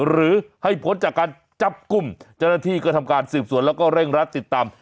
หรือให้ผลจากการจับกลุ้มจนที่กระทำการสื่อส่วนแล้วก็เร่งรัฐติดตาม